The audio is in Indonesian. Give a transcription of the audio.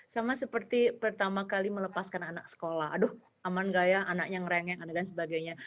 sama seperti pertama kali melepaskan anak sekolah aduh aman gak ya anaknya ngereng dan sebagainya